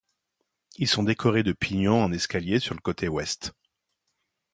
Ils sont décorés de pignons en escalier sur le côté ouest.